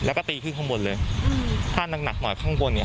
แล้วก็ตีขึ้นข้างบนเลยถ้าหนักหนักหน่อยข้างบนเนี่ย